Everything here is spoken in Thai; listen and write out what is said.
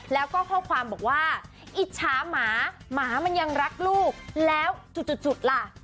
แล้วก็ข้อความบอกว่าอิจฉาหมาหมามันยังรักลูกแล้วจุดล่ะ